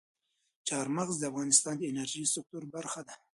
چار مغز د افغانستان د انرژۍ سکتور برخه ده.